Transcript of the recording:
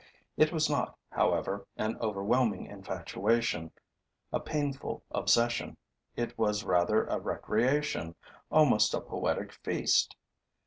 It was not, however, an overwhelming infatuation, a painful obsession; it was rather a recreation, almost a poetic feast.